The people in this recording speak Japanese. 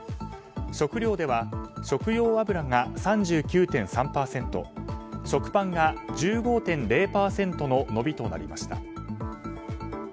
食糧では食用油が３９．３％食パンが１５．０％の伸びとなりました。